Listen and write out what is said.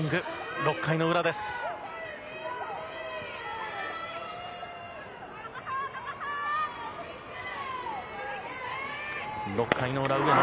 ６回の裏、上野。